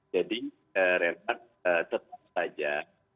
jadi rentak tetap saja